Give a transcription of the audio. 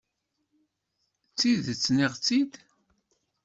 Tidet, nniɣ-tt-id.